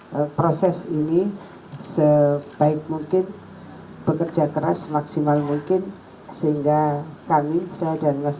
hai proses ini sebaik mungkin bekerja keras maksimal mungkin sehingga kami saya dan mas